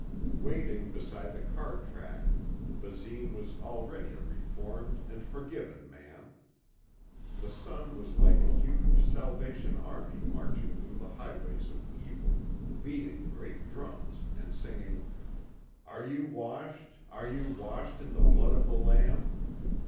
Waiting beside the car track, Basine was already a reformed and forgiven man. The sun was like a huge Salvation Army marching through the highways of Evil, beating great drums and singing, "Are you washed, are you washed in the Blood of the Lamb?"